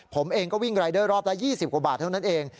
ผมเองก็วิ่งรายเดอร์รอบละ๒๐กว่าบาทเท่านั้นเอง